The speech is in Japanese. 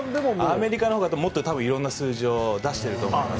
アメリカのほうがもっと色んな数字を出してると思います。